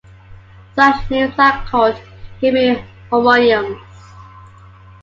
Such names are called "hemihomonyms".